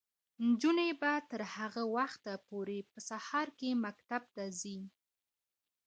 نجونې به تر هغه وخته پورې په سهار کې مکتب ته ځي.